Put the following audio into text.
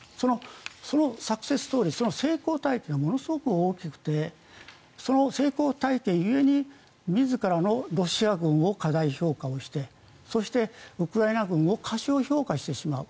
そのサクセスストーリー成功体験がものすごく大きくてその成功体験故に自らのロシア軍を過大評価してそして、ウクライナ軍を過小評価してしまう。